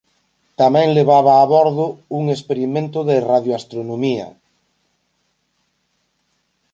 Tamén levaba a bordo un experimento de radioastronomía.